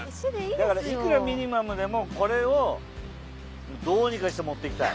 だからいくらミニマムでもこれをどうにかして持って行きたい。